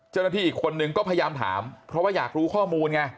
เจ้าหน้าที่อีกคนนึงก็พยายามถามเพราะว่าอยากรู้ข้อมูลไง